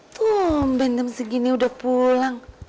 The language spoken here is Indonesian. tuh bendam segini udah pulang